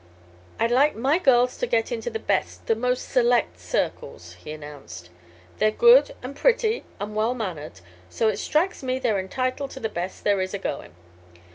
"I'd like my girls to get into the best the most select circles," he announced. "They're good and pretty and well mannered, so it strikes me they're entitled to the best there is a going.